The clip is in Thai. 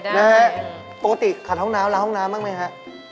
นะฮะปกติขาดห้องน้ำล้างห้องน้ำบ้างไหมฮะ